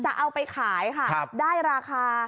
จะเอาไปขายค่ะได้ราคา